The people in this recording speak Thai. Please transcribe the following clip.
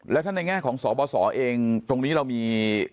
แล้วถ้าในแง่ของสบสเองตรงนี้เรามี